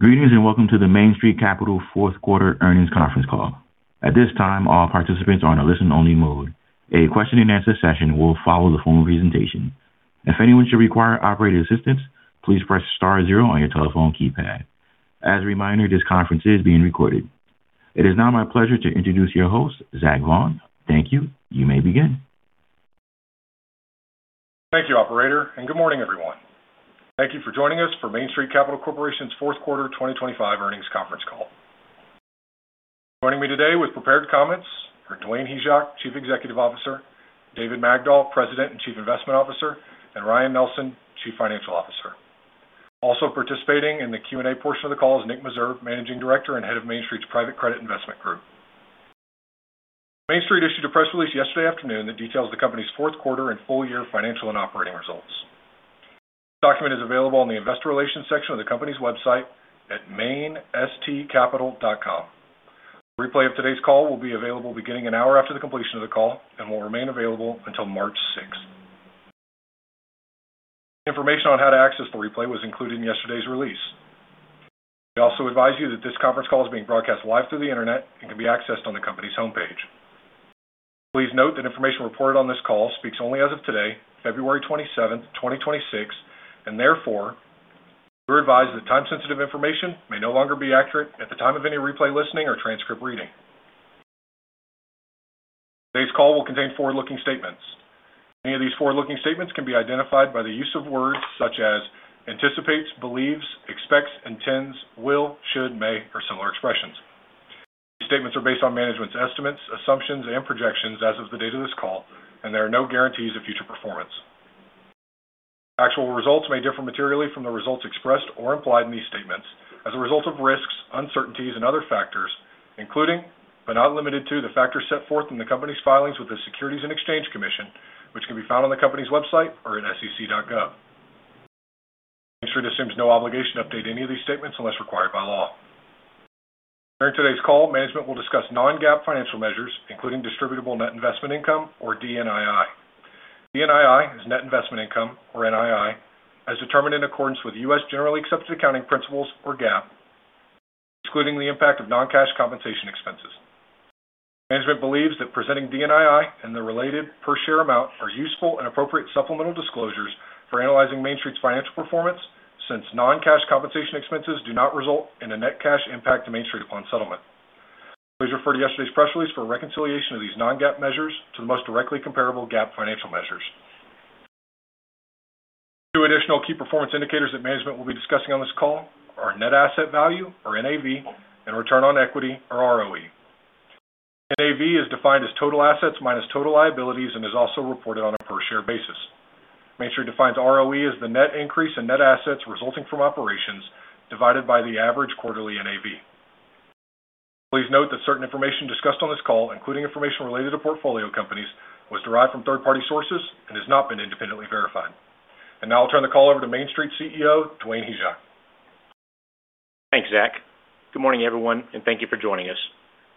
Greetings, welcome to the Main Street Capital fourth quarter earnings conference call. At this time, all participants are on a listen-only mode. A question and answer session will follow the formal presentation. If anyone should require operator assistance, please press star zero on your telephone keypad. As a reminder, this conference is being recorded. It is now my pleasure to introduce your host, Zach Vaughan. Thank you. You may begin. Thank you, operator. Good morning, everyone. Thank you for joining us for Main Street Capital Corporation's fourth quarter 2025 earnings conference call. Joining me today with prepared comments are Dwayne Hyzak, Chief Executive Officer; David Magdol, President and Chief Investment Officer; and Ryan Nelson, Chief Financial Officer. Also participating in the Q&A portion of the call is Nick Meserve, Managing Director and Head of Main Street's Private Credit Investment Group. Main Street issued a press release yesterday afternoon that details the company's fourth quarter and full year financial and operating results. This document is available on the Investor Relations section of the company's website at mainstcapital.com. A replay of today's call will be available beginning an hour after the completion of the call and will remain available until March sixth. Information on how to access the replay was included in yesterday's release. We also advise you that this conference call is being broadcast live through the internet and can be accessed on the company's homepage. Please note that information reported on this call speaks only as of today, February 27, 2026, therefore, you're advised that time-sensitive information may no longer be accurate at the time of any replay, listening, or transcript reading. Today's call will contain forward-looking statements. Any of these forward-looking statements can be identified by the use of words such as anticipates, believes, expects, intends, will, should, may, or similar expressions. These statements are based on management's estimates, assumptions, and projections as of the date of this call, there are no guarantees of future performance. Actual results may differ materially from the results expressed or implied in these statements as a result of risks, uncertainties, and other factors, including, but not limited to, the factors set forth in the company's filings with the Securities and Exchange Commission, which can be found on the company's website or at sec.gov. Make sure there seems no obligation to update any of these statements unless required by law. During today's call, management will discuss non-GAAP financial measures, including distributable net investment income, or DNII. DNII is net investment income, or NII, as determined in accordance with US generally accepted accounting principles, or GAAP, excluding the impact of non-cash compensation expenses. Management believes that presenting DNII and the related per share amount are useful and appropriate supplemental disclosures for analyzing Main Street's financial performance, since non-cash compensation expenses do not result in a net cash impact to Main Street upon settlement. Please refer to yesterday's press release for a reconciliation of these non-GAAP measures to the most directly comparable GAAP financial measures. Two additional key performance indicators that management will be discussing on this call are net asset value, or NAV, and return on equity, or ROE. NAV is defined as total assets minus total liabilities and is also reported on a per-share basis. Main Street defines ROE as the net increase in net assets resulting from operations divided by the average quarterly NAV. Please note that certain information discussed on this call, including information related to portfolio companies, was derived from third-party sources and has not been independently verified. Now I'll turn the call over to Main Street CEO, Dwayne Hyzak. Thanks, Zach. Good morning, everyone, and thank you for joining us.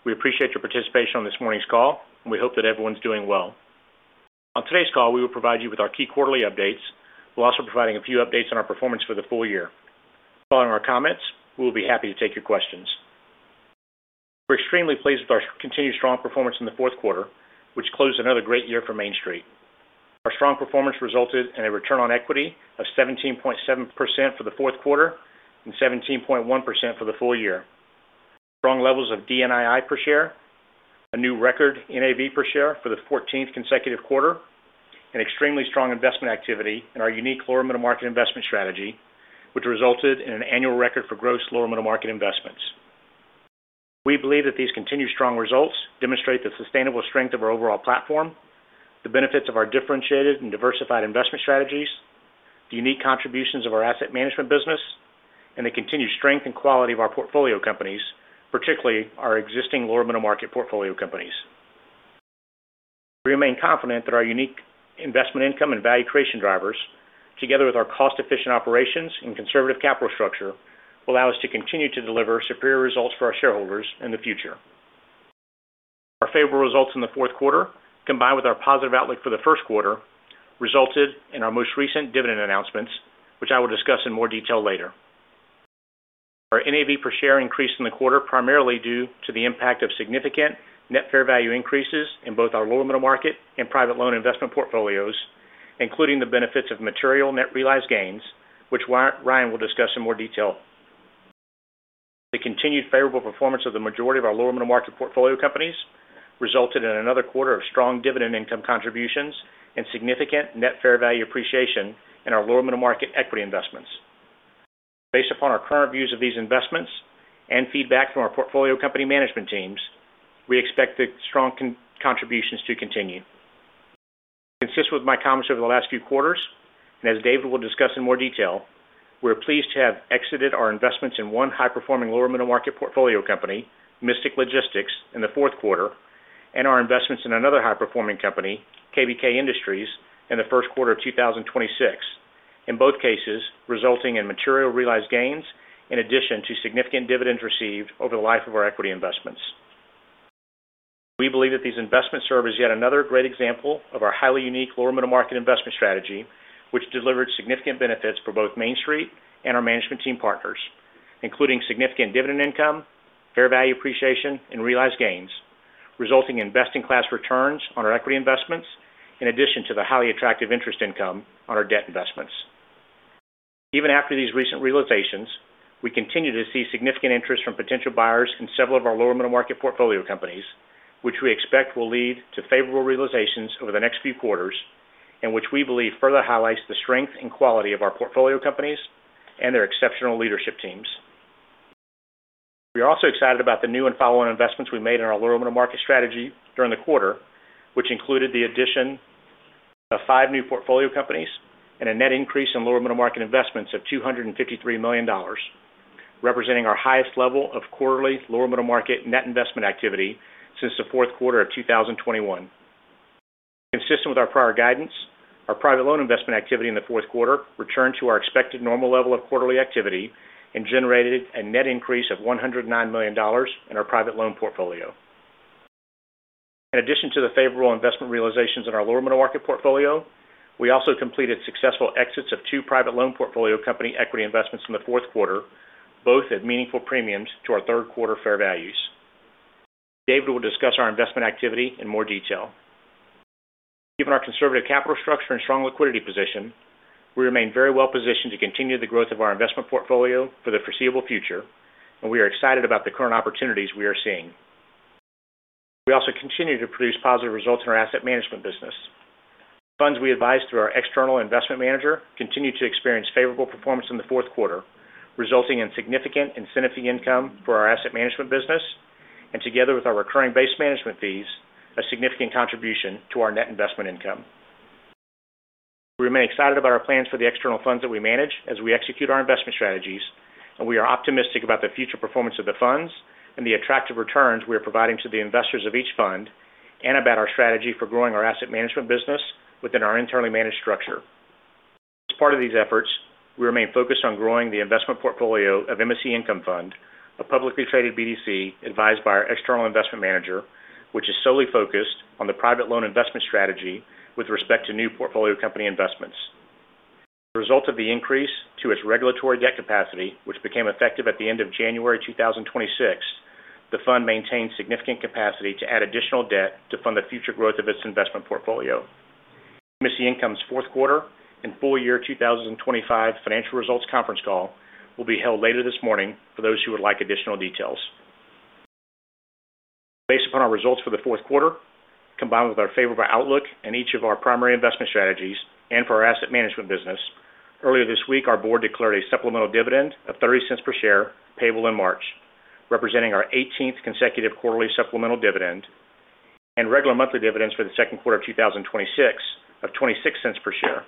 We appreciate your participation on this morning's call. We hope that everyone's doing well. On today's call, we will provide you with our key quarterly updates. We're also providing a few updates on our performance for the full year. Following our comments, we will be happy to take your questions. We're extremely pleased with our continued strong performance in the fourth quarter, which closed another great year for Main Street. Our strong performance resulted in a return on equity of 17.7% for the fourth quarter and 17.1% for the full year. Strong levels of DNII per share, a new record NAV per share for the 14th consecutive quarter, and extremely strong investment activity in our unique lower middle market investment strategy, which resulted in an annual record for gross lower middle-market investments. We believe that these continued strong results demonstrate the sustainable strength of our overall platform, the benefits of our differentiated and diversified investment strategies, the unique contributions of our Asset Management business, and the continued strength and quality of our portfolio companies, particularly our existing lower middle-market portfolio companies. We remain confident that our unique investment income and value creation drivers, together with our cost-efficient operations and conservative capital structure, will allow us to continue to deliver superior results for our shareholders in the future. Our favorable results in the fourth quarter, combined with our positive outlook for the first quarter, resulted in our most recent dividend announcements, which I will discuss in more detail later. Our NAV per share increased in the quarter, primarily due to the impact of significant net fair value increases in both our lower middle market and private loan investment portfolios, including the benefits of material net realized gains, which Ryan will discuss in more detail. The continued favorable performance of the majority of our lower middle market portfolio companies resulted in another quarter of strong dividend income contributions and significant net fair value appreciation in our lower middle market equity investments. Based upon our current views of these investments and feedback from our portfolio company management teams, we expect the strong contributions to continue. Consistent with my comments over the last few quarters, and as David will discuss in more detail, we're pleased to have exited our investments in one high-performing lower middle market portfolio company, Mystic Logistics, in the fourth quarter, and our investments in another high-performing company, KBK Industries, in the first quarter of 2026. In both cases, resulting in material realized gains in addition to significant dividends received over the life of our equity investments. We believe that these investments serve as yet another great example of our highly unique lower middle market investment strategy, which delivered significant benefits for both Main Street and our management team partners, including significant dividend income, fair value appreciation, and realized gains, resulting in investing class returns on our equity investments, in addition to the highly attractive interest income on our debt investments. Even after these recent realizations, we continue to see significant interest from potential buyers in several of our lower middle market portfolio companies, which we expect will lead to favorable realizations over the next few quarters, and which we believe further highlights the strength and quality of our portfolio companies and their exceptional leadership teams. We are also excited about the new and follow-on investments we made in our lower middle market strategy during the quarter, which included the addition of five new portfolio companies and a net increase in lower middle market investments of $253 million, representing our highest level of quarterly lower middle market net investment activity since the fourth quarter of 2021. Consistent with our prior guidance, our private loan investment activity in the fourth quarter returned to our expected normal level of quarterly activity and generated a net increase of $109 million in our private loan portfolio. In addition to the favorable investment realizations in our lower middle market portfolio, we also completed successful exits of two private loan portfolio company equity investments in the fourth quarter, both at meaningful premiums to our third quarter fair values. David will discuss our investment activity in more detail. Given our conservative capital structure and strong liquidity position, we remain very well positioned to continue the growth of our investment portfolio for the foreseeable future. We are excited about the current opportunities we are seeing. We also continue to produce positive results in our Asset Management business. Funds we advise through our external investment manager continue to experience favorable performance in the fourth quarter, resulting in significant incentive income for our Asset Management business, and together with our recurring base management fees, a significant contribution to our net investment income. We remain excited about our plans for the external funds that we manage as we execute our investment strategies, and we are optimistic about the future performance of the funds and the attractive returns we are providing to the investors of each fund, and about our strategy for growing our Asset Management business within our internally managed structure. As part of these efforts, we remain focused on growing the investment portfolio of MSC Income Fund, a publicly traded BDC, advised by our external investment manager, which is solely focused on the private loan investment strategy with respect to new portfolio company investments. As a result of the increase to its regulatory debt capacity, which became effective at the end of January 2026, the fund maintained significant capacity to add additional debt to fund the future growth of its investment portfolio. MSC Income's fourth quarter and full year 2025 financial results conference call will be held later this morning for those who would like additional details. Based upon our results for the fourth quarter, combined with our favorable outlook in each of our primary investment strategies and for our Asset Management business, earlier this week, our board declared a supplemental dividend of $0.30 per share, payable in March, representing our 18th consecutive quarterly supplemental dividend and regular monthly dividends for the second quarter of 2026 of $0.26 per share.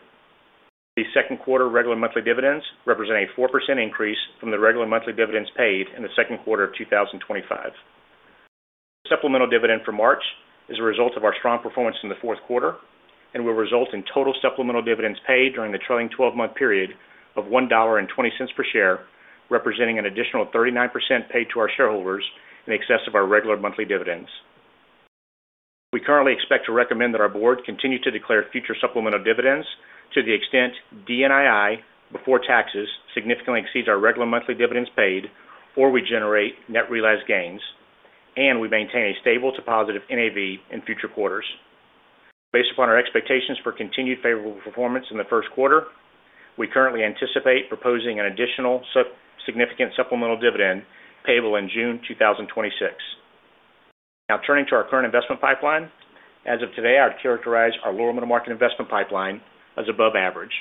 The second quarter regular monthly dividends represent a 4% increase from the regular monthly dividends paid in the second quarter of 2025. Supplemental dividend for March is a result of our strong performance in the fourth quarter and will result in total supplemental dividends paid during the trailing 12-month period of $1.20 per share, representing an additional 39% paid to our shareholders in excess of our regular monthly dividends. We currently expect to recommend that our Board continue to declare future supplemental dividends to the extent DNII, before taxes, significantly exceeds our regular monthly dividends paid, or we generate net realized gains, and we maintain a stable to positive NAV in future quarters. Based upon our expectations for continued favorable performance in the first quarter, we currently anticipate proposing an additional significant supplemental dividend payable in June 2026. Turning to our current investment pipeline. As of today, I'd characterize our lower middle market investment pipeline as above average.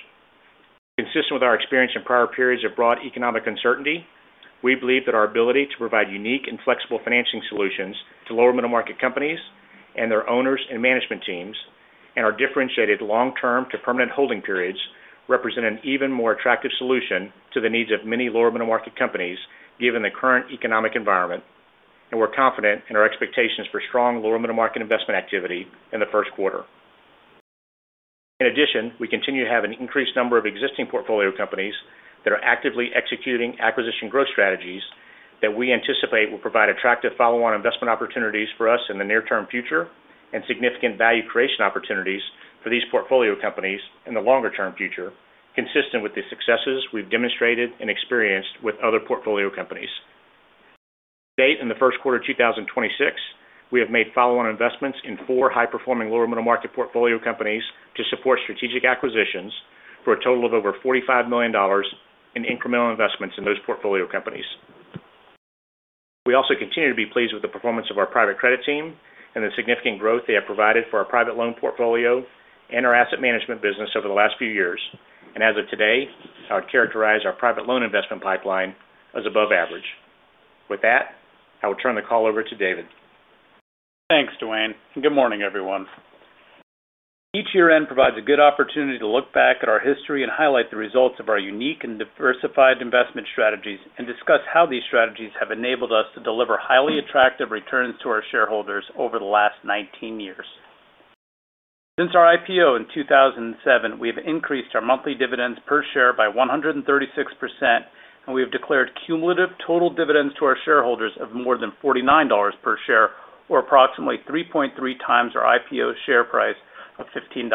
Consistent with our experience in prior periods of broad economic uncertainty, we believe that our ability to provide unique and flexible financing solutions to lower middle market companies and their owners and management teams, and our differentiated long-term to permanent holding periods, represent an even more attractive solution to the needs of many lower middle market companies, given the current economic environment, we're confident in our expectations for strong lower middle market investment activity in the first quarter. We continue to have an increased number of existing portfolio companies that are actively executing acquisition growth strategies that we anticipate will provide attractive follow-on investment opportunities for us in the near-term future, and significant value creation opportunities for these portfolio companies in the longer-term future, consistent with the successes we've demonstrated and experienced with other portfolio companies. To date, in the first quarter of 2026, we have made follow-on investments in four high-performing lower middle market portfolio companies to support strategic acquisitions for a total of over $45 million in incremental investments in those portfolio companies. We also continue to be pleased with the performance of our private credit team and the significant growth they have provided for our private loan portfolio and our Asset Management business over the last few years. As of today, I'd characterize our private loan investment pipeline as above average. With that, I will turn the call over to David. Thanks, Dwayne. Good morning, everyone. Each year end provides a good opportunity to look back at our history and highlight the results of our unique and diversified investment strategies, and discuss how these strategies have enabled us to deliver highly attractive returns to our shareholders over the last 19 years. Since our IPO in 2007, we have increased our monthly dividends per share by 136%, we have declared cumulative total dividends to our shareholders of more than $49 per share, or approximately 3.3x our IPO share price of $15.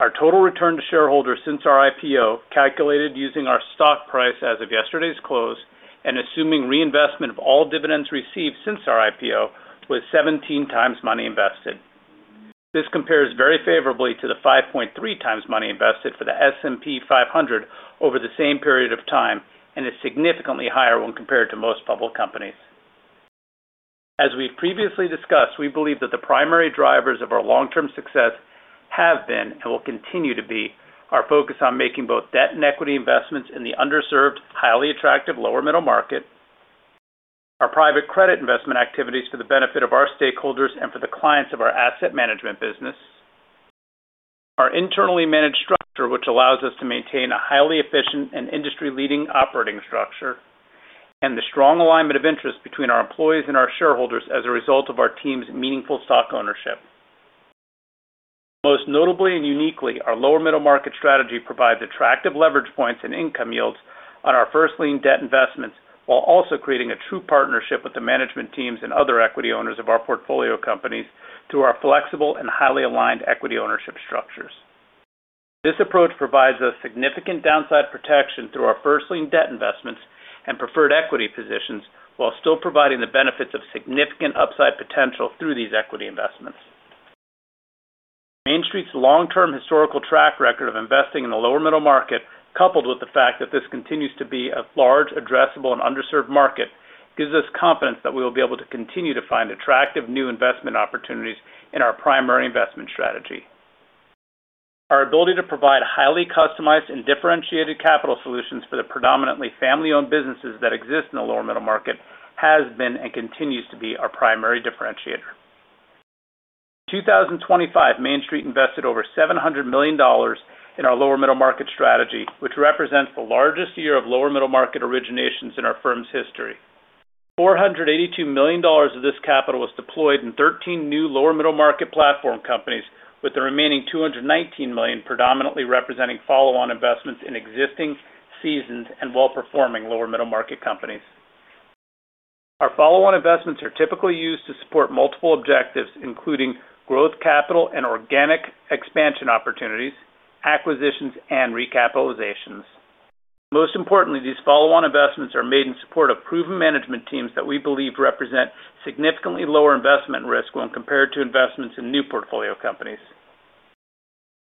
Our total return to shareholders since our IPO, calculated using our stock price as of yesterday's close and assuming reinvestment of all dividends received since our IPO, was 17x money invested. This compares very favorably to the 5.3x money invested for the S&P 500 over the same period of time, and is significantly higher when compared to most public companies. As we've previously discussed, we believe that the primary drivers of our long-term success have been, and will continue to be, our focus on making both debt and equity investments in the underserved, highly attractive lower middle market. Our Private Credit Investment activities for the benefit of our stakeholders and for the clients of our Asset Management business. Our internally managed structure, which allows us to maintain a highly efficient and industry-leading operating structure, and the strong alignment of interest between our employees and our shareholders as a result of our team's meaningful stock ownership. Most notably and uniquely, our lower middle market strategy provides attractive leverage points and income yields on our first lien debt investments, while also creating a true partnership with the management teams and other equity owners of our portfolio companies through our flexible and highly aligned equity ownership structures. This approach provides us significant downside protection through our first lien debt investments and preferred equity positions, while still providing the benefits of significant upside potential through these equity investments. Main Street's long-term historical track record of investing in the lower middle market, coupled with the fact that this continues to be a large, addressable, and underserved market, gives us confidence that we will be able to continue to find attractive new investment opportunities in our primary investment strategy. Our ability to provide highly customized and differentiated capital solutions for the predominantly family-owned businesses that exist in the lower middle market has been and continues to be our primary differentiator. In 2025, Main Street invested over $700 million in our lower middle market strategy, which represents the largest year of lower middle market originations in our firm's history. $482 million of this capital was deployed in 13 new lower middle market platform companies, with the remaining $219 million predominantly representing follow-on investments in existing, seasoned, and well-performing lower middle market companies. Our follow-on investments are typically used to support multiple objectives, including growth, capital, and organic expansion opportunities, acquisitions, and recapitalizations. Most importantly, these follow-on investments are made in support of proven management teams that we believe represent significantly lower investment risk when compared to investments in new portfolio companies.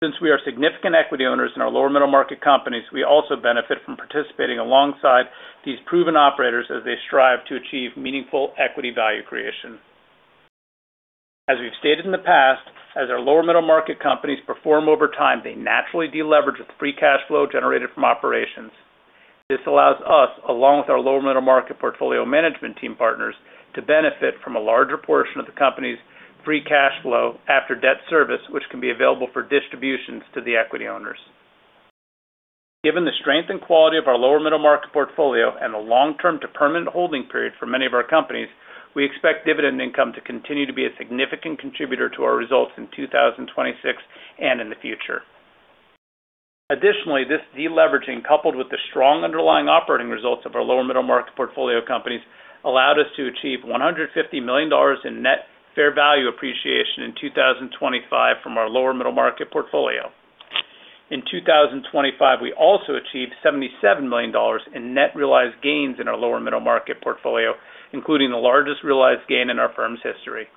Since we are significant equity owners in our lower middle market companies, we also benefit from participating alongside these proven operators as they strive to achieve meaningful equity value creation. As we've stated in the past, as our lower middle market companies perform over time, they naturally deleverage with free cash flow generated from operations. This allows us, along with our lower middle market portfolio management team partners, to benefit from a larger portion of the company's free cash flow after debt service, which can be available for distributions to the equity owners. Given the strength and quality of our lower middle market portfolio and the long-term to permanent holding period for many of our companies, we expect dividend income to continue to be a significant contributor to our results in 2026 and in the future. Additionally, this deleveraging, coupled with the strong underlying operating results of our lower middle market portfolio companies, allowed us to achieve $150 million in net fair value appreciation in 2025 from our lower middle market portfolio. In 2025, we also achieved $77 million in net realized gains in our lower middle market portfolio, including the largest realized gain in our firm's history.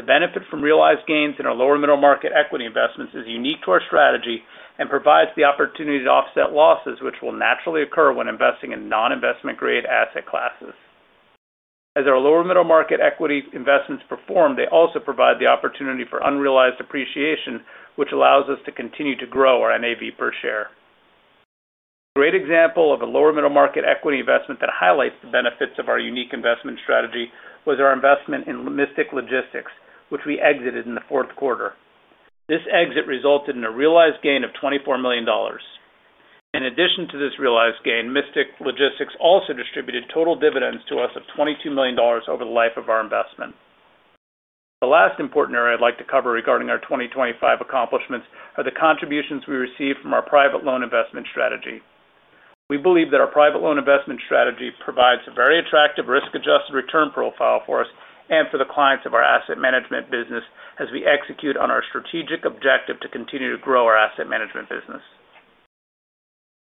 The benefit from realized gains in our lower middle market equity investments is unique to our strategy and provides the opportunity to offset losses, which will naturally occur when investing in non-investment grade asset classes. As our lower middle market equity investments perform, they also provide the opportunity for unrealized appreciation, which allows us to continue to grow our NAV per share. A great example of a lower middle market equity investment that highlights the benefits of our unique investment strategy was our investment in Mystic Logistics, which we exited in the fourth quarter. This exit resulted in a realized gain of $24 million. In addition to this realized gain, Mystic Logistics also distributed total dividends to us of $22 million over the life of our investment. The last important area I'd like to cover regarding our 2025 accomplishments are the contributions we received from our private loan investment strategy. We believe that our private loan investment strategy provides a very attractive risk-adjusted return profile for us and for the clients of our Asset Management business as we execute on our strategic objective to continue to grow our Asset Management business.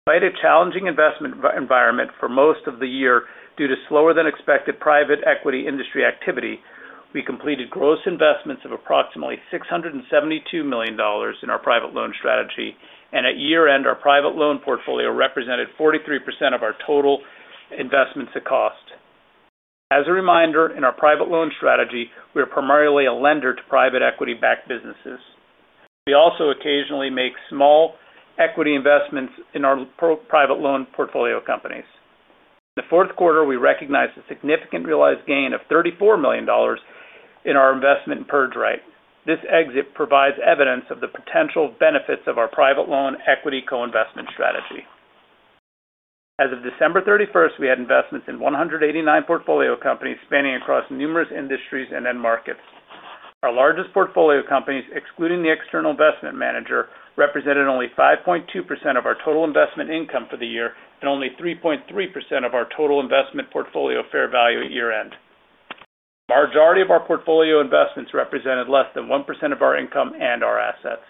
Despite a challenging investment environment for most of the year due to slower-than-expected private equity industry activity, we completed gross investments of approximately $672 million in our private loan strategy, and at year-end, our private loan portfolio represented 43% of our total investments to cost. As a reminder, in our private loan strategy, we are primarily a lender to private equity-backed businesses. We also occasionally make small equity investments in our private loan portfolio companies. In the fourth quarter, we recognized a significant realized gain of $34 million in our investment in Pergeright. This exit provides evidence of the potential benefits of our private loan equity co-investment strategy. As of December 31st, we had investments in 189 portfolio companies spanning across numerous industries and end markets. Our largest portfolio companies, excluding the external investment manager, represented only 5.2% of our total investment income for the year and only 3.3% of our total investment portfolio fair value at year-end. Majority of our portfolio investments represented less than 1% of our income and our assets.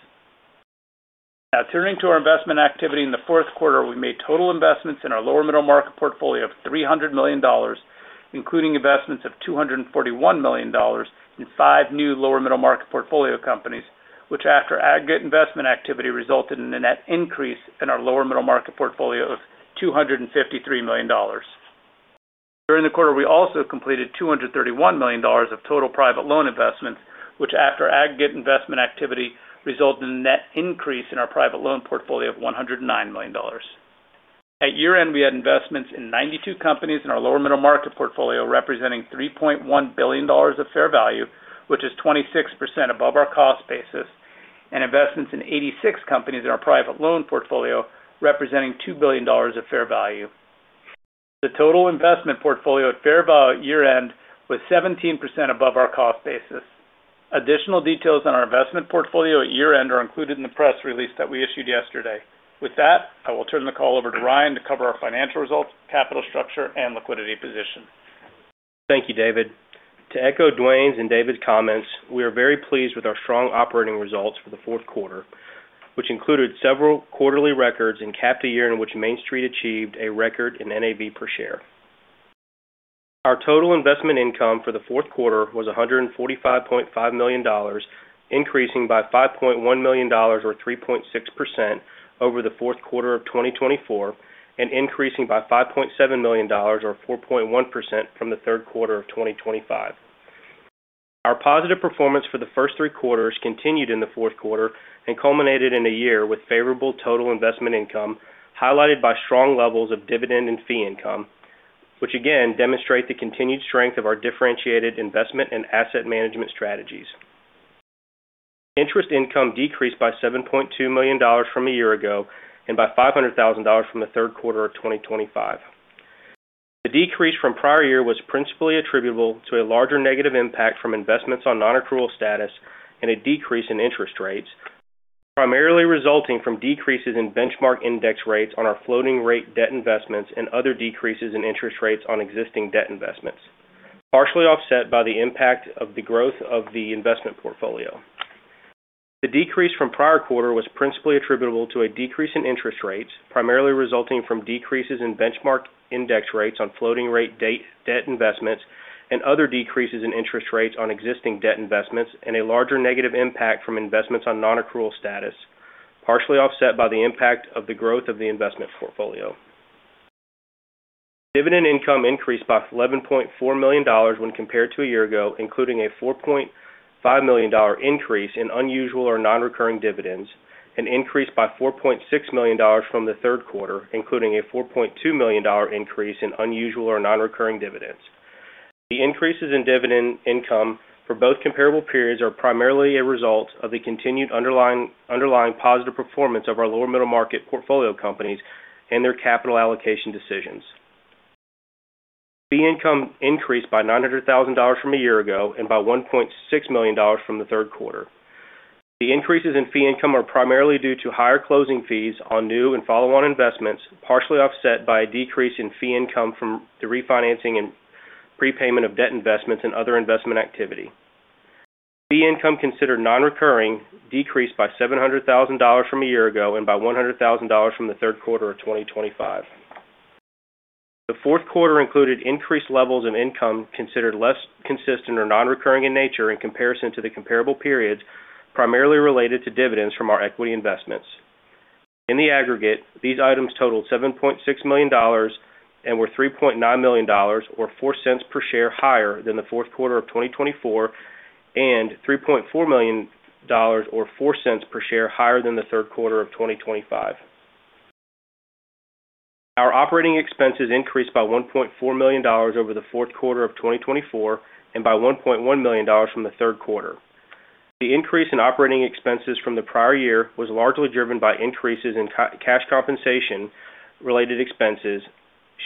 Now turning to our investment activity. In the fourth quarter, we made total investments in our lower middle market portfolio of $300 million, including investments of $241 million in five new lower middle market portfolio companies, which after aggregate investment activity, resulted in a net increase in our lower middle market portfolio of $253 million. During the quarter, we also completed $231 million of total private loan investments, which after aggregate investment activity, resulted in a net increase in our private loan portfolio of $109 million. At year-end, we had investments in 92 companies in our lower middle market portfolio, representing $3.1 billion of fair value, which is 26% above our cost basis, and investments in 86 companies in our private loan portfolio, representing $2 billion of fair value. The total investment portfolio at fair value at year-end was 17% above our cost basis. Additional details on our investment portfolio at year-end are included in the press release that we issued yesterday. With that, I will turn the call over to Ryan to cover our financial results, capital structure, and liquidity position. Thank you, David. To echo Dwayne's and David's comments, we are very pleased with our strong operating results for the fourth quarter, which included several quarterly records and capped a year in which Main Street Capital achieved a record in NAV per share. Our total investment income for the fourth quarter was $145.5 million, increasing by $5.1 million or 3.6% over the fourth quarter of 2024, and increasing by $5.7 million or 4.1% from the third quarter of 2025. Our positive performance for the first three quarters continued in the fourth quarter and culminated in a year with favorable total investment income, highlighted by strong levels of dividend and fee income, which again demonstrate the continued strength of our differentiated investment and asset management strategies. Interest income decreased by $7.2 million from a year ago and by $500,000 from the third quarter of 2025. The decrease from prior year was principally attributable to a larger negative impact from investments on non-accrual status and a decrease in interest rates, primarily resulting from decreases in benchmark index rates on our floating rate debt investments and other decreases in interest rates on existing debt investments, partially offset by the impact of the growth of the investment portfolio. The decrease from prior quarter was principally attributable to a decrease in interest rates, primarily resulting from decreases in benchmark index rates on floating rate debt investments and other decreases in interest rates on existing debt investments, and a larger negative impact from investments on non-accrual status, partially offset by the impact of the growth of the investment portfolio. Dividend income increased by $11.4 million when compared to a year ago, including a $4.5 million increase in unusual or non-recurring dividends, and increased by $4.6 million from the third quarter, including a $4.2 million increase in unusual or non-recurring dividends. The increases in dividend income for both comparable periods are primarily a result of the continued underlying positive performance of our lower middle market portfolio companies and their capital allocation decisions. Fee income increased by $900,000 from a year ago and by $1.6 million from the third quarter. The increases in fee income are primarily due to higher closing fees on new and follow-on investments, partially offset by a decrease in fee income from the refinancing and prepayment of debt investments and other investment activity. Fee income considered non-recurring decreased by $700,000 from a year ago and by $100,000 from the third quarter of 2025. The fourth quarter included increased levels of income considered less consistent or non-recurring in nature in comparison to the comparable periods, primarily related to dividends from our equity investments. In the aggregate, these items totaled $7.6 million and were $3.9 million, or $0.04 per share, higher than the fourth quarter of 2024, and $3.4 million, or $0.04 per share, higher than the third quarter of 2025. Our operating expenses increased by $1.4 million over the fourth quarter of 2024 and by $1.1 million from the third quarter. The increase in operating expenses from the prior year was largely driven by increases in cash compensation related expenses,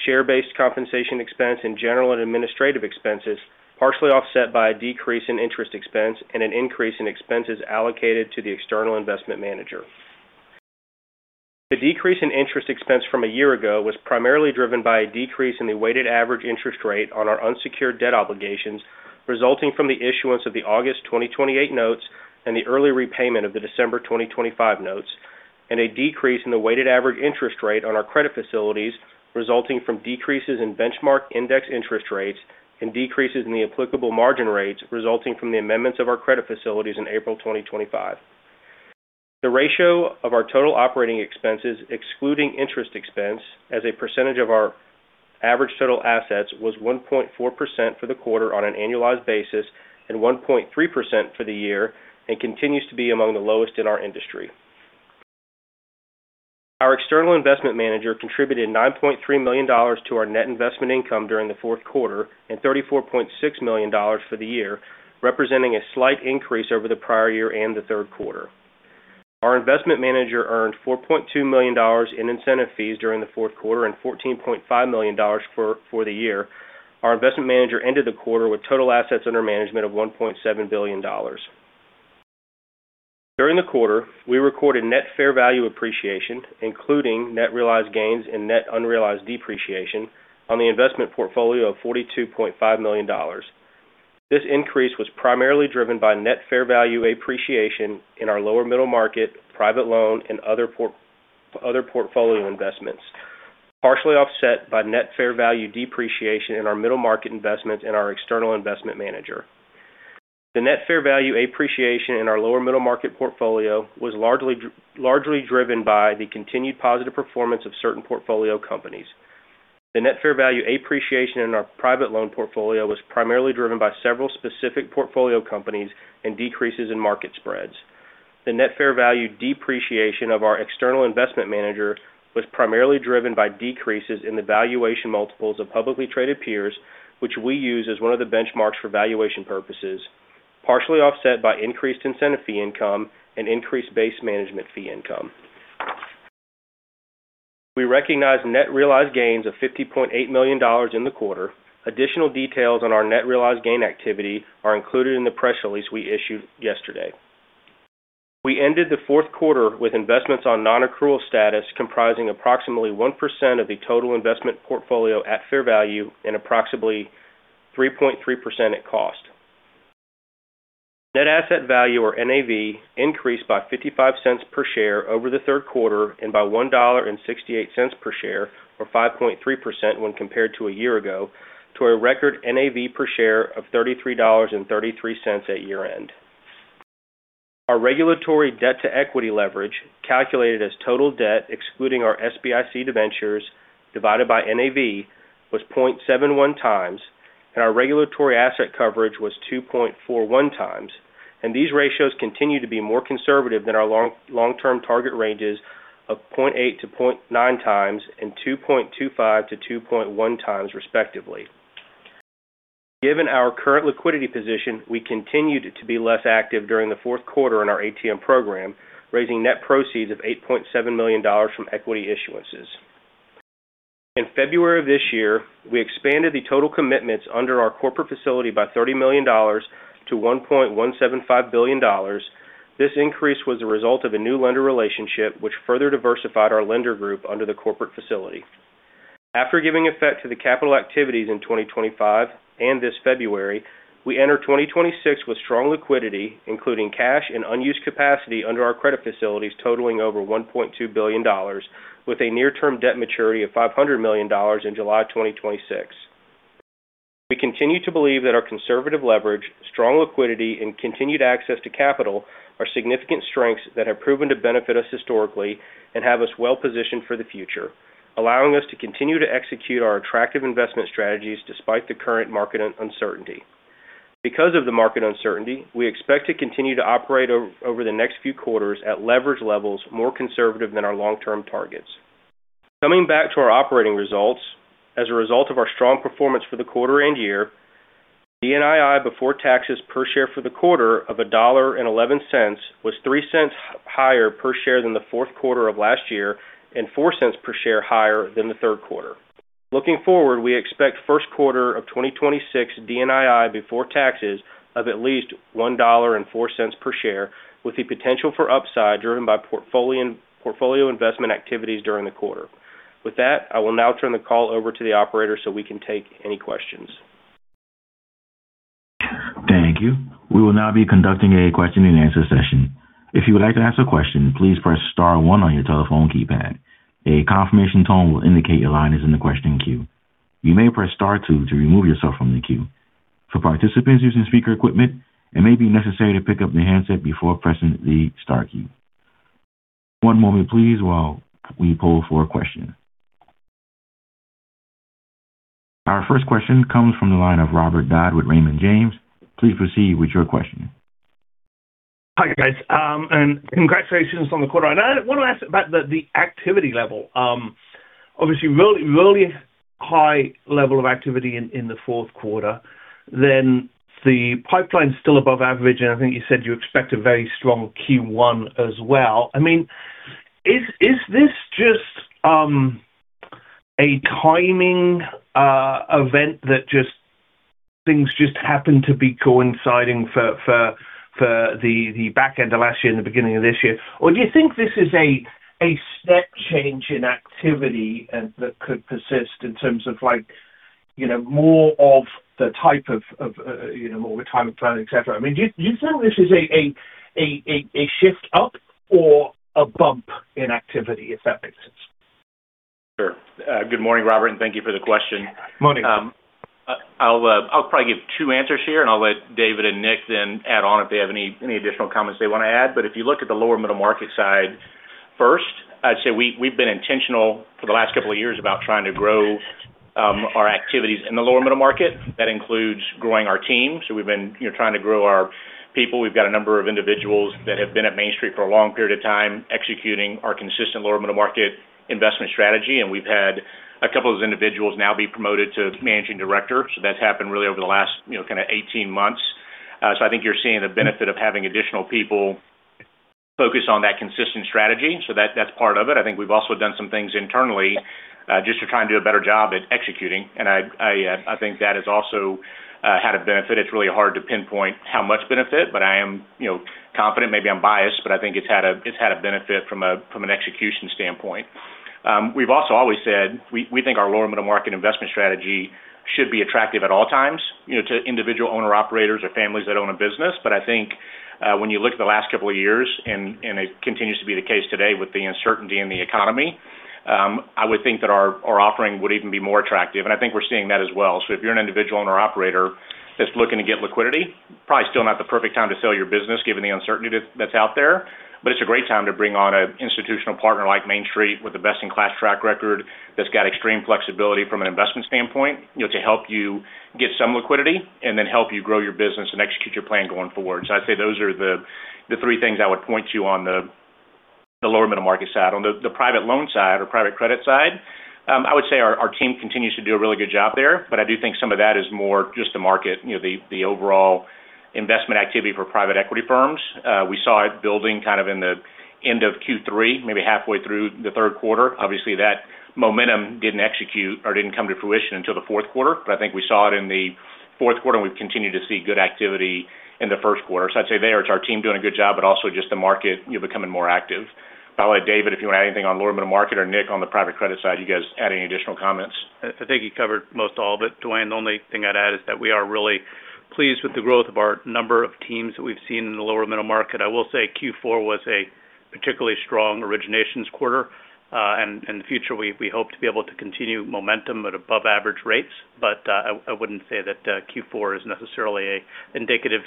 share-based compensation expense, and general and administrative expenses, partially offset by a decrease in interest expense and an increase in expenses allocated to the external investment manager. The decrease in interest expense from a year ago was primarily driven by a decrease in the weighted average interest rate on our unsecured debt obligations, resulting from the issuance of the August 2028 notes and the early repayment of the December 2025 notes, and a decrease in the weighted average interest rate on our credit facilities, resulting from decreases in benchmark index interest rates and decreases in the applicable margin rates, resulting from the amendments of our credit facilities in April 2025. The ratio of our total operating expenses, excluding interest expense, as a percentage of our average total assets, was 1.4% for the quarter on an annualized basis and 1.3% for the year, continues to be among the lowest in our industry. Our external investment manager contributed $9.3 million to our net investment income during the fourth quarter and $34.6 million for the year, representing a slight increase over the prior year and the third quarter. Our investment manager earned $4.2 million in incentive fees during the fourth quarter and $14.5 million for the year. Our investment manager ended the quarter with total assets under management of $1.7 billion. During the quarter, we recorded net fair value appreciation, including net realized gains and net unrealized depreciation on the investment portfolio of $42.5 million. This increase was primarily driven by net fair value appreciation in our lower middle market, private loan and other portfolio investments, partially offset by net fair value depreciation in our middle market investments and our external investment manager. The net fair value appreciation in our lower middle market portfolio was largely driven by the continued positive performance of certain portfolio companies. The net fair value appreciation in our private loan portfolio was primarily driven by several specific portfolio companies and decreases in market spreads. The net fair value depreciation of our external investment manager was primarily driven by decreases in the valuation multiples of publicly traded peers, which we use as one of the benchmarks for valuation purposes, partially offset by increased incentive fee income and increased base management fee income. We recognized net realized gains of $50.8 million in the quarter. Additional details on our net realized gain activity are included in the press release we issued yesterday. We ended the fourth quarter with investments on non-accrual status, comprising approximately 1% of the total investment portfolio at fair value and approximately 3.3% at cost. Net asset value, or NAV, increased by $0.55 per share over the third quarter and by $1.68 per share, or 5.3% when compared to a year ago, to a record NAV per share of $33.33 at year-end. Our regulatory debt-to-equity leverage, calculated as total debt, excluding our SBIC debentures divided by NAV, was 0.71x. Our regulatory asset coverage was 2.41x, and these ratios continue to be more conservative than our long-term target ranges of 0.8x-0.9x and 2.25x-2.1x, respectively. Given our current liquidity position, we continued to be less active during the fourth quarter in our ATM program, raising net proceeds of $8.7 million from equity issuances. In February of this year, we expanded the total commitments under our corporate facility by $30 million to $1.175 billion. This increase was a result of a new lender relationship, which further diversified our lender group under the corporate facility. After giving effect to the capital activities in 2025 and this February, we enter 2026 with strong liquidity, including cash and unused capacity under our credit facilities, totaling over $1.2 billion, with a near-term debt maturity of $500 million in July 2026. We continue to believe that our conservative leverage, strong liquidity, and continued access to capital are significant strengths that have proven to benefit us historically and have us well positioned for the future, allowing us to continue to execute our attractive investment strategies despite the current market uncertainty. Because of the market uncertainty, we expect to continue to operate over the next few quarters at leverage levels more conservative than our long-term targets. Coming back to our operating results, as a result of our strong performance for the quarter and year, DNII before taxes per share for the quarter of $1.11 was $0.03 higher per share than the fourth quarter of last year and $0.04 higher per share than the third quarter. Looking forward, we expect first quarter of 2026 DNII before taxes of at least $1.04 per share, with the potential for upside driven by portfolio investment activities during the quarter. I will now turn the call over to the operator so we can take any questions. Thank you. We will now be conducting a question-and-answer session. If you would like to ask a question, please press star one on your telephone keypad. A confirmation tone will indicate your line is in the question queue. You may press star two to remove yourself from the queue. For participants using speaker equipment, it may be necessary to pick up the handset before pressing the star key. One moment, please, while we poll for a question. Our first question comes from the line of Robert Dodd with Raymond James. Please proceed with your question. Hi, guys. Congratulations on the quarter. I want to ask about the activity level. Obviously, really high level of activity in the fourth quarter, the pipeline is still above average, and I think you said you expect a very strong Q1 as well. I mean, is this just a timing event that just things just happen to be coinciding for the back end of last year and the beginning of this year? Or do you think this is a step change in activity and that could persist in terms of like, you know, more of the type of, you know, more retirement plan, et cetera? I mean, do you feel this is a shift up or a bump in activity, if that makes sense? Sure. good morning, Robert, and thank you for the question. Morning. I'll probably give two answers here, and I'll let David and Nick then add on if they have any additional comments they want to add. If you look at the lower middle market side first, I'd say we've been intentional for the last couple of years about trying to grow our activities in the lower middle market. That includes growing our team. We've been, you know, trying to grow our people. We've got a number of individuals that have been at Main Street Capital for a long period of time, executing our consistent lower middle market investment strategy, and we've had a couple of those individuals now be promoted to managing director. That's happened really over the last, you know, kind of 18 months. I think you're seeing the benefit of having additional people focus on that consistent strategy. That's part of it. I think we've also done some things internally, just to try and do a better job at executing, and I think that has also had a benefit. It's really hard to pinpoint how much benefit, but I am, you know, confident. Maybe I'm biased, but I think it's had a benefit from an execution standpoint. We've also always said, we think our lower middle market investment strategy should be attractive at all times, you know, to individual owner-operators or families that own a business. I think, when you look at the last couple of years, and it continues to be the case today with the uncertainty in the economy, I would think that our offering would even be more attractive, and I think we're seeing that as well. If you're an individual owner-operator that's looking to get liquidity, probably still not the perfect time to sell your business, given the uncertainty that's out there. It's a great time to bring on an institutional partner like Main Street, with a best-in-class track record, that's got extreme flexibility from an investment standpoint, you know, to help you get some liquidity and then help you grow your business and execute your plan going forward. I'd say those are the three things I would point to you on the lower middle market side. On the private loan side or private credit side, I would say our team continues to do a really good job there, but I do think some of that is more just the market, you know, the overall investment activity for private equity firms. We saw it building kind of in the end of Q3, maybe halfway through the third quarter. Obviously, that momentum didn't execute or didn't come to fruition until the fourth quarter, but I think we saw it in the fourth quarter, and we've continued to see good activity in the first quarter. I'd say there, it's our team doing a good job, but also just the market, you know, becoming more active. By the way, David, if you want to add anything on lower middle market, or Nick, on the private credit side, you guys add any additional comments? I think you covered most all of it, Dwayne. The only thing I'd add is that we are really pleased with the growth of our number of teams that we've seen in the lower middle market. I will say Q4 was a particularly strong originations quarter. In the future, we hope to be able to continue momentum at above average rates. I wouldn't say that Q4 is necessarily a indicative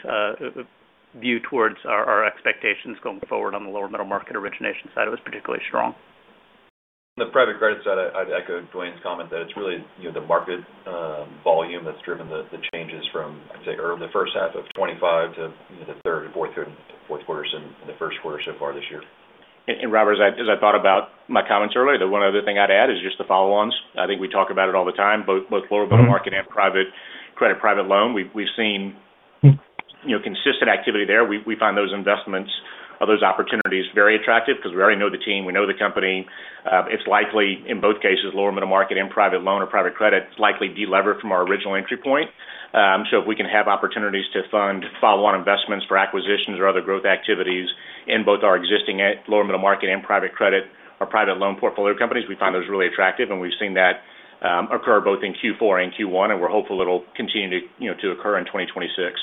view towards our expectations going forward on the lower middle market origination side. It was particularly strong. The private credit side, I'd echo Dwayne's comment that it's really, you know, the market volume that's driven the changes from, I'd say, early the first half of 2025 to the third and fourth quarter and the first quarter so far this year. Robert, as I thought about my comments earlier, the one other thing I'd add is just the follow-ons. I think we talk about it all the time, both lower middle market and private credit, private loan. We've seen, you know, consistent activity there. We find those investments or those opportunities very attractive because we already know the team, we know the company. It's likely, in both cases, lower middle market and private loan or private credit, likely delevered from our original entry point. If we can have opportunities to fund follow-on investments for acquisitions or other growth activities in both our existing lower middle market and private credit or private loan portfolio companies, we find those really attractive, and we've seen that occur both in Q4 and Q1, and we're hopeful it'll continue to, you know, to occur in 2026.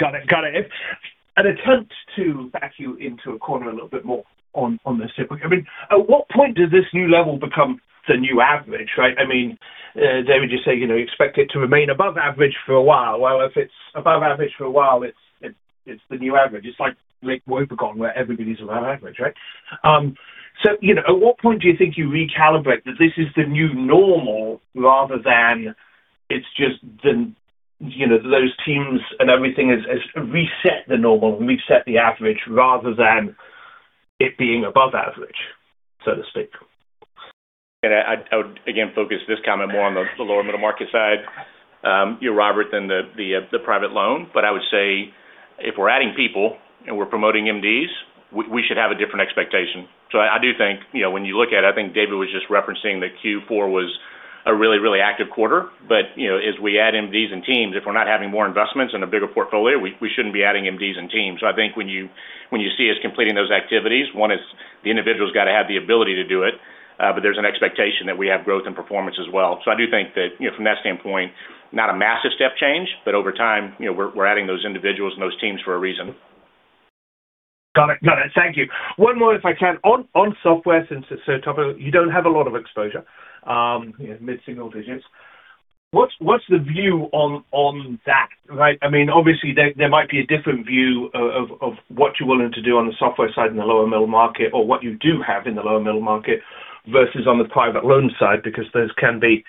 Got it. Got it. An attempt to back you into a corner a little bit more on this. I mean, at what point does this new level become the new average, right? I mean, David, you say, you know, expect it to remain above average for a while. Well, if it's above average for a while, it's the new average. It's like Lake Wobegon, where everybody's above average, right? You know, at what point do you think you recalibrate that this is the new normal rather than it's just the, you know, those teams and everything has reset the normal and reset the average rather than it being above average, so to speak? I would, again, focus this comment more on the lower middle market side, you know, Robert, than the private loan. I would say if we're adding people and we're promoting MDs, we should have a different expectation. I do think, you know, when you look at, I think David was just referencing that Q4 was a really, really active quarter. You know, as we add MDs and teams, if we're not having more investments and a bigger portfolio, we shouldn't be adding MDs and teams. I think when you see us completing those activities, one is the individual's got to have the ability to do it, but there's an expectation that we have growth and performance as well. I do think that, you know, from that standpoint, not a massive step change, but over time, you know, we're adding those individuals and those teams for a reason. Got it. Got it. Thank you. One more, if I can. On software, since it's so topical, you don't have a lot of exposure, mid-single digits. What's the view on that, right? I mean, obviously, there might be a different view of what you're willing to do on the software side in the lower middle market or what you do have in the lower middle market versus on the private loan side, because those can be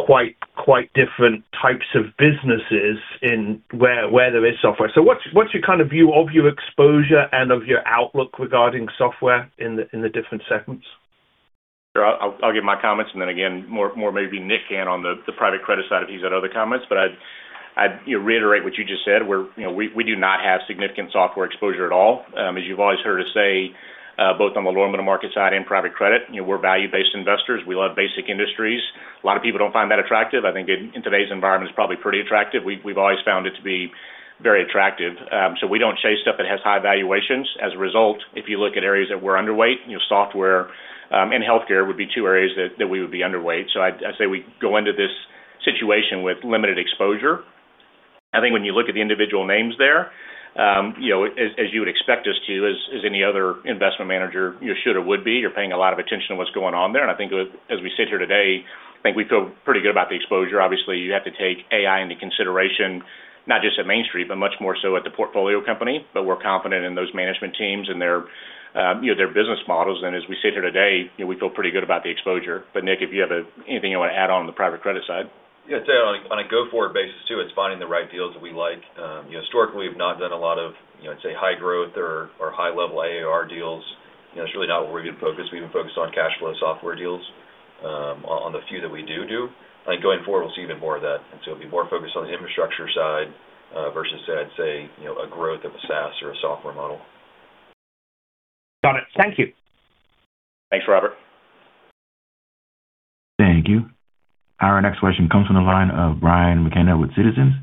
quite different types of businesses in where there is software. What's your kind of view of your exposure and of your outlook regarding software in the different segments? I'll give my comments, and then again, more maybe Nick can on the private credit side, if he's got other comments. I'd, you know, reiterate what you just said. You know, we do not have significant software exposure at all. As you've always heard us say, both on the lower middle market side and private credit, you know, we're value-based investors. We love basic industries. A lot of people don't find that attractive. I think in today's environment, it's probably pretty attractive. We've always found it to be very attractive. We don't chase stuff that has high valuations. As a result, if you look at areas that we're underweight, you know, software, and healthcare would be two areas that we would be underweight. I'd say we go into this situation with limited exposure. I think when you look at the individual names there, you know, as you would expect us to, as any other investment manager, you know, should or would be, you're paying a lot of attention to what's going on there. I think as we sit here today, I think we feel pretty good about the exposure. Obviously, you have to take AI into consideration, not just at Main Street, but much more so at the portfolio company. We're confident in those management teams and their, you know, their business models. As we sit here today, you know, we feel pretty good about the exposure. Nick, if you have anything you want to add on the private credit side? Yeah, I'd say on a go-forward basis, too, it's finding the right deals that we like. you know, historically, we've not done a lot of, you know, say, high growth or high-level ARR deals. You know, it's really not where we've been focused. We've been focused on cash flow software deals on the few that we do. I think going forward, we'll see even more of that. It'll be more focused on the infrastructure side, versus, I'd say, you know, a growth of a SaaS or a software model. Got it. Thank you. Thanks, Robert. Thank you. Our next question comes from the line of Brian McKenna with Citizens.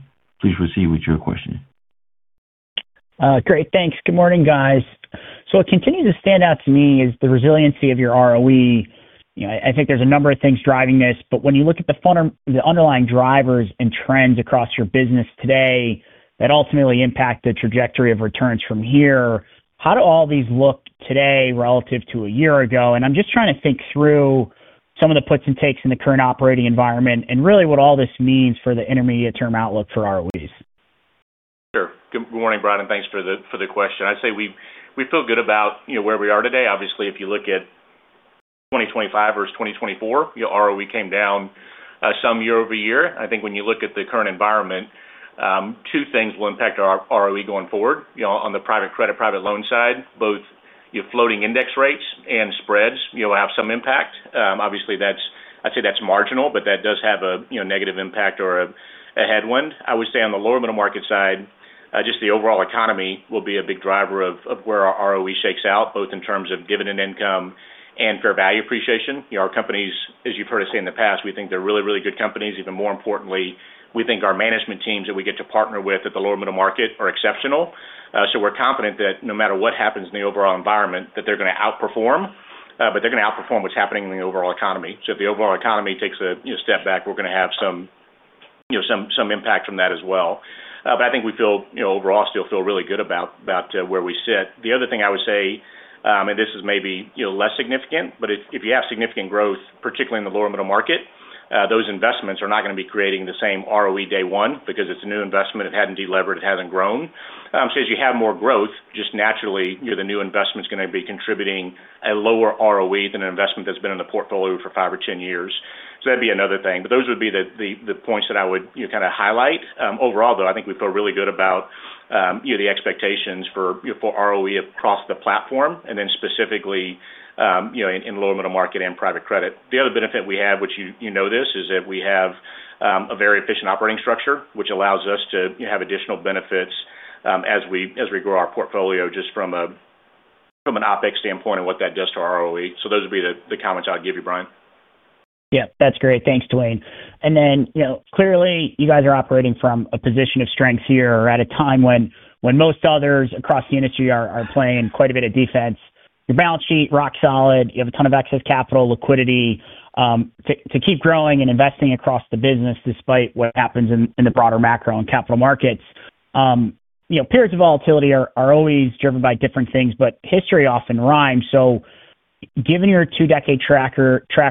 Please proceed with your question. Great, thanks. Good morning, guys. What continues to stand out to me is the resiliency of your ROE. You know, I think there's a number of things driving this, but when you look at the underlying drivers and trends across your business today, that ultimately impact the trajectory of returns from here, how do all these look today relative to a year ago? I'm just trying to think through some of the puts and takes in the current operating environment and really what all this means for the intermediate-term outlook for ROEs. Sure. Good morning, Brian, thanks for the question. I'd say we feel good about, you know, where we are today. Obviously, if you look at 2025 versus 2024, your ROE came down some year-over-year. I think when you look at the current environment, two things will impact our ROE going forward. You know, on the private credit, private loan side, both your floating index rates and spreads, you'll have some impact. Obviously, I'd say that's marginal, but that does have a, you know, negative impact or a headwind. I would say on the lower middle market side, just the overall economy will be a big driver of where our ROE shakes out, both in terms of dividend income and fair value appreciation. Our companies, as you've heard us say in the past, we think they're really, really good companies. Even more importantly, we think our management teams that we get to partner with at the lower middle market are exceptional. We're confident that no matter what happens in the overall environment, that they're going to outperform, but they're going to outperform what's happening in the overall economy. If the overall economy takes a step back, we're going to have some, you know, some impact from that as well. I think we feel, you know, overall, still feel really good about, where we sit. The other thing I would say, this is maybe, you know, less significant, but if you have significant growth, particularly in the lower middle market, those investments are not going to be creating the same ROE day one because it's a new investment. It hadn't delevered, it hasn't grown. As you have more growth, just naturally, you know, the new investment is going to be contributing a lower ROE than an investment that's been in the portfolio for five or 10 years. That'd be another thing. Those would be the points that I would, you know, kind of highlight. Overall, though, I think we feel really good about the expectations for, you know, for ROE across the platform, then specifically, you know, in lower middle market and private credit. The other benefit we have, which you know this, is that we have a very efficient operating structure, which allows us to have additional benefits as we grow our portfolio, just from a, from an OpEx standpoint and what that does to our ROE. Those would be the comments I'd give you, Brian. Yeah, that's great. Thanks, Dwayne. You know, clearly, you guys are operating from a position of strength here or at a time when most others across the industry are playing quite a bit of defense. Your balance sheet, rock solid. You have a ton of excess capital, liquidity to keep growing and investing across the business, despite what happens in the broader macro and capital markets. You know, periods of volatility are always driven by different things, but history often rhymes. Given your two-decade track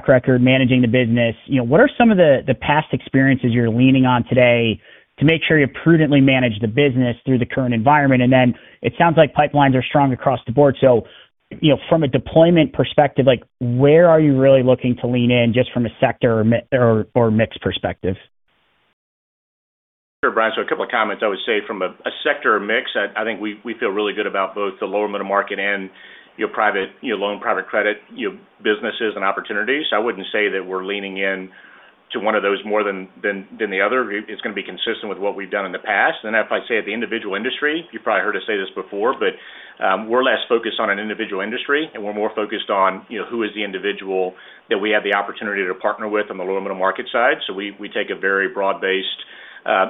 record managing the business, you know, what are some of the past experiences you're leaning on today to make sure you prudently manage the business through the current environment? It sounds like pipelines are strong across the board. You know, from a deployment perspective, like, where are you really looking to lean in just from a sector or mix perspective? Sure, Brian. A couple of comments. I would say from a sector or mix, I think we feel really good about both the lower middle market and your private, your loan, private credit, your businesses and opportunities. I wouldn't say that we're leaning in to one of those more than the other. It's going to be consistent with what we've done in the past. If I say at the individual industry, you probably heard us say this before, but we're less focused on an individual industry, and we're more focused on, you know, who is the individual that we have the opportunity to partner with on the lower middle market side. We take a very broad-based,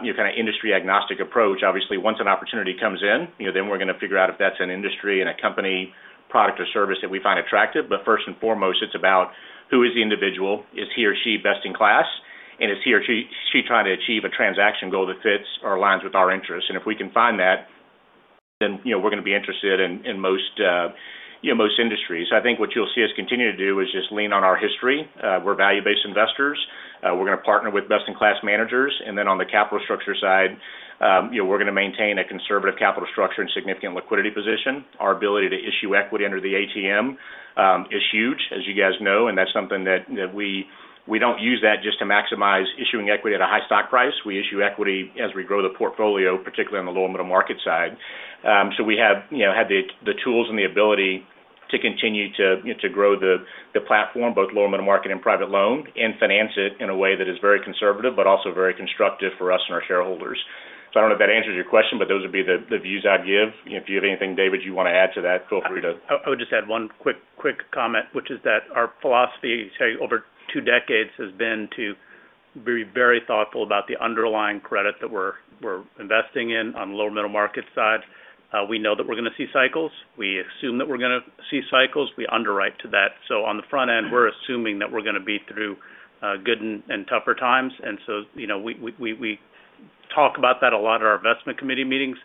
you know, kind of industry agnostic approach. Obviously, once an opportunity comes in, you know, then we're going to figure out if that's an industry and a company, product or service that we find attractive. First and foremost, it's about who is the individual? Is he or she best in class? Is he or she trying to achieve a transaction goal that fits or aligns with our interests? If we can find that, then, you know, we're going to be interested in most, you know, most industries. I think what you'll see us continue to do is just lean on our history. We're value-based investors. We're going to partner with best-in-class managers, then on the capital structure side, you know, we're going to maintain a conservative capital structure and significant liquidity position. Our ability to issue equity under the ATM is huge, as you guys know, and that we don't use that just to maximize issuing equity at a high stock price. We issue equity as we grow the portfolio, particularly on the low and middle market side. We have, you know, have the tools and the ability to grow the platform, both low and middle market and private loan, and finance it in a way that is very conservative, but also very constructive for us and our shareholders. I don't know if that answers your question, but those would be the views I'd give. If you have anything, David, you want to add to that, feel free to. I would just add one quick comment, which is that our philosophy, say, over two decades, has been to be very thoughtful about the underlying credit that we're investing in on the lower middle market side. We know that we're going to see cycles. We assume that we're going to see cycles. We underwrite to that. On the front end, we're assuming that we're going to be through good and tougher times. You know, we talk about that a lot at our investment committee meetings,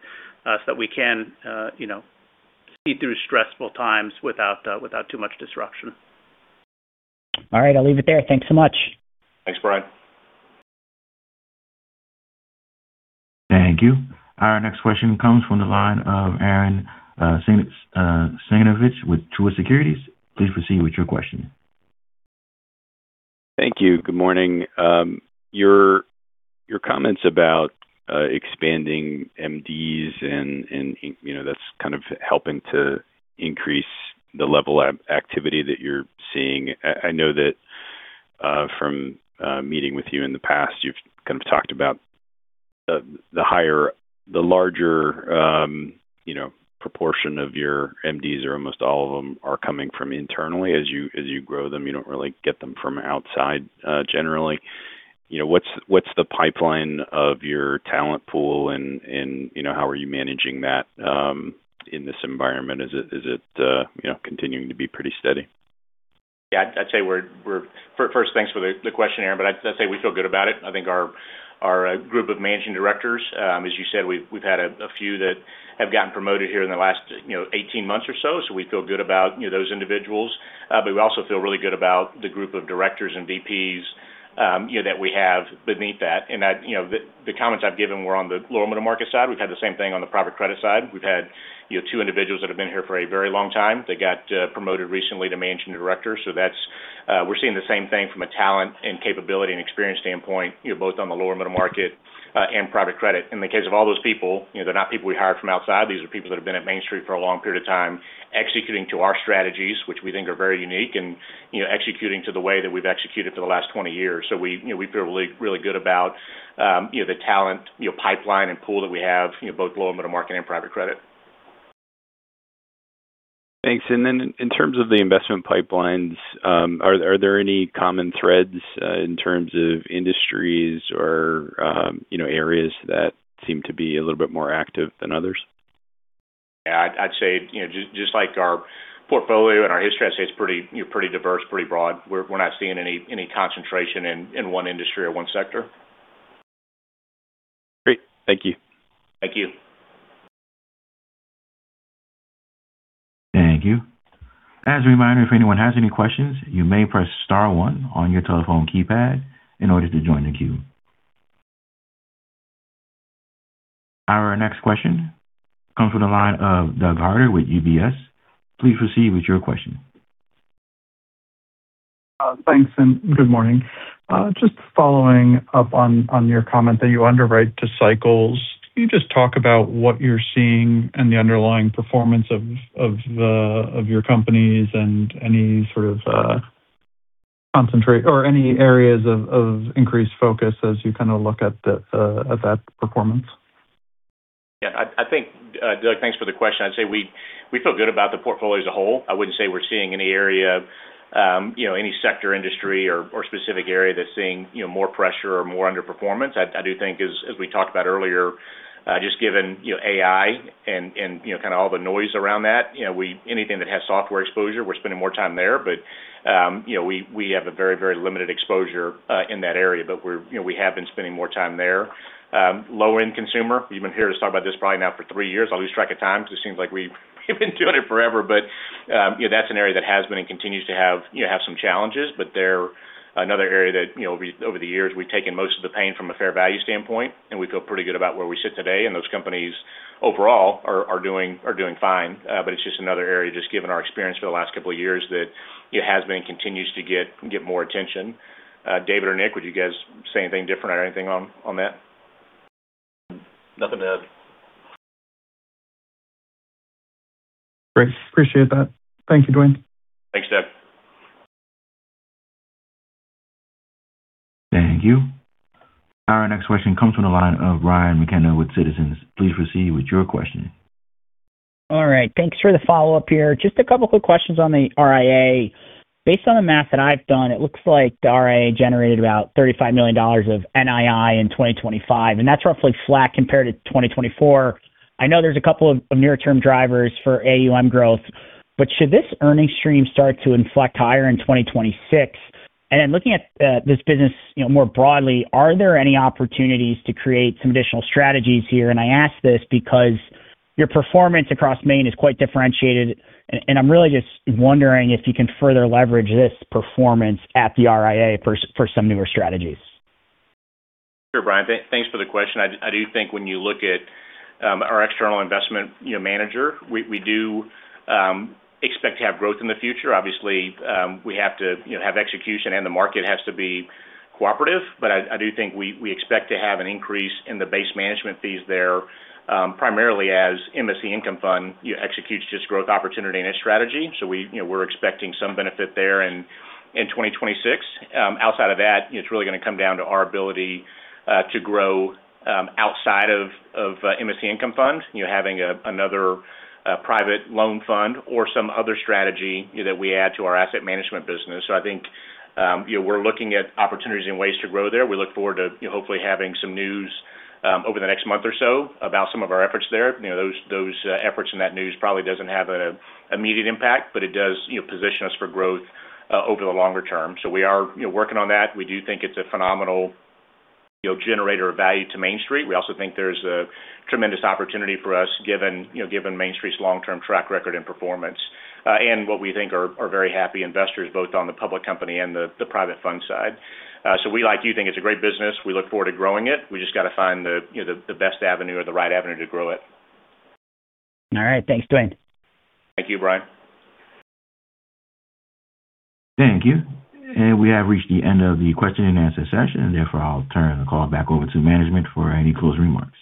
so that we can, you know, see through stressful times without too much disruption. All right. I'll leave it there. Thanks so much. Thanks, Brian. Thank you. Our next question comes from the line of Arren Cyganovich with Truist Securities. Please proceed with your question. Thank you. Good morning. Your comments about expanding MDs and, you know, that's kind of helping to increase the level of activity that you're seeing. I know that from meeting with you in the past, you've kind of talked about the larger, you know, proportion of your MDs, or almost all of them, are coming from internally. As you grow them, you don't really get them from outside generally. You know, what's the pipeline of your talent pool, and, you know, how are you managing that in this environment? Is it, you know, continuing to be pretty steady? Yeah, I'd say we're first, thanks for the question, Arren. I'd say we feel good about it. I think our group of managing directors, as you said, we've had a few that have gotten promoted here in the last, you know, 18 months or so. We feel good about, you know, those individuals. We also feel really good about the group of directors and VPs, you know, that we have beneath that. You know, the comments I've given were on the lower middle market side. We've had the same thing on the private credit side. We've had, you know, two individuals that have been here for a very long time. They got promoted recently to managing directors, so that's, we're seeing the same thing from a talent and capability and experience standpoint, you know, both on the lower middle market and private credit. In the case of all those people, you know, they're not people we hired from outside. These are people that have been at Main Street for a long period of time, executing to our strategies, which we think are very unique, and, you know, executing to the way that we've executed for the last 20 years. We, you know, we feel really, really good about, you know, the talent, you know, pipeline and pool that we have, you know, both lower middle market and private credit. Thanks. In terms of the investment pipelines, are there any common threads in terms of industries or, you know, areas that seem to be a little bit more active than others? Yeah, I'd say, you know, just like our portfolio and our history, I'd say it's pretty diverse, pretty broad. We're not seeing any concentration in one industry or one sector. Great. Thank you. Thank you. Thank you. As a reminder, if anyone has any questions, you may press star one on your telephone keypad in order to join the queue. Our next question comes from the line of Doug Harter with UBS. Please proceed with your question. Thanks, and good morning. Just following up on your comment that you underwrite to cycles, can you just talk about what you're seeing and the underlying performance of your companies and any sort of, concentrate or any areas of increased focus as you kind of look at that performance? Yeah, I think, Doug, thanks for the question. I'd say we feel good about the portfolio as a whole. I wouldn't say we're seeing any area of, you know, any sector, industry, or specific area that's seeing, you know, more pressure or more underperformance. I do think, as we talked about earlier, just given, you know, AI and, you know, kind of all the noise around that, you know, anything that has software exposure, we're spending more time there. You know, we have a very, very limited exposure in that area. We're, you know, we have been spending more time there. Low-end consumer, you've been here to talk about this probably now for three years. I lose track of time because it seems like we've been doing it forever. Yeah, that's an area that has been and continues to have, you know, have some challenges. They're another area that, you know, over the years, we've taken most of the pain from a fair value standpoint, and we feel pretty good about where we sit today. Those companies overall are doing fine. It's just another area, just given our experience for the last couple of years, that it has been and continues to get more attention. David or Nick, would you guys say anything different or anything on that? Nothing to add. Great. Appreciate that. Thank you, Dwayne. Thanks, Doug. Thank you. Our next question comes from the line of Brian McKenna with Citizens. Please proceed with your question. All right. Thanks for the follow-up here. Just a couple quick questions on the RIA. Based on the math that I've done, it looks like the RIA generated about $35 million of NII in 2025. That's roughly flat compared to 2024. I know there's a couple of near-term drivers for AUM growth, should this earnings stream start to inflect higher in 2026? Looking at this business, you know, more broadly, are there any opportunities to create some additional strategies here? I ask this because your performance across Main is quite differentiated, and I'm really just wondering if you can further leverage this performance at the RIA for some newer strategies. Sure, Brian. Thanks for the question. I do think when you look at our external investment, you know, manager, we do expect to have growth in the future. Obviously, we have to, you know, have execution and the market has to be cooperative. I do think we expect to have an increase in the base management fees there, primarily as MSC Income Fund, you know, executes just growth opportunity in its strategy. We're expecting some benefit there in 2026. Outside of that, it's really going to come down to our ability to grow outside of MSC Income Fund. You know, having another private loan fund or some other strategy, you know, that we add to our Asset Management business. I think, you know, we're looking at opportunities and ways to grow there. We look forward to, you know, hopefully having some news over the next month or so about some of our efforts there. You know, those efforts in that news probably doesn't have an immediate impact, but it does, you know, position us for growth over the longer term. We are, you know, working on that. We do think it's a phenomenal, you know, generator of value to Main Street Capital. We also think there's a tremendous opportunity for us, given, you know, given Main Street Capital's long-term track record and performance, and what we think are very happy investors, both on the public company and the private fund side. We, like you, think it's a great business. We look forward to growing it. We just got to find the, you know, the best avenue or the right avenue to grow it. All right. Thanks, Dwayne. Thank you, Brian. Thank you. We have reached the end of the question and answer session. Therefore, I'll turn the call back over to management for any closing remarks.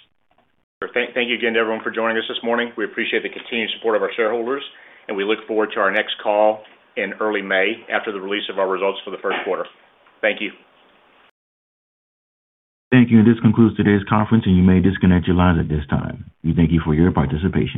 Thank you again to everyone for joining us this morning. We appreciate the continued support of our shareholders, we look forward to our next call in early May after the release of our results for the first quarter. Thank you. Thank you. This concludes today's conference. You may disconnect your lines at this time. We thank you for your participation.